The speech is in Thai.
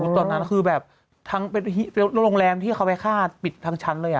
ตอนนั้นคือแบบทั้งโรงแรมที่เขาไปฆ่าปิดทั้งชั้นเลย